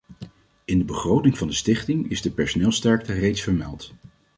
In de begroting van de stichting is de personeelssterkte reeds vermeld.